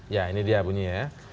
ya ini dia bunyi ya